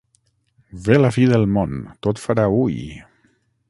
Ve la fi del món, tot farà ui!